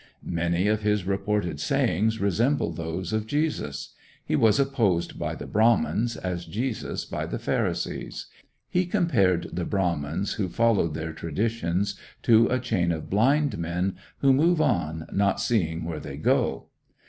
Many of his reported sayings resemble those of Jesus. He was opposed by the Brahmans as Jesus by the Pharisees. He compared the Brahmans who followed their traditions to a chain of blind men, who move on, not seeing where they go.